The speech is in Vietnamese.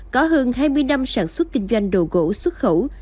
có hơn hai mươi năm sản xuất kinh doanh đồ gỗ xuất khẩu